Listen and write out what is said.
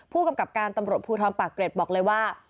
ผู้กำกับการตำรวจภูทรปากเกร็ดบอกเลยว่า